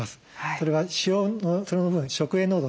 それはその分食塩濃度